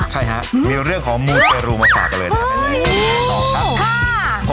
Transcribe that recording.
ใช่ฮะมีเรื่องของมูเตรูมาฝากกันเลยนะครับ